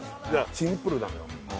シンプルなのよ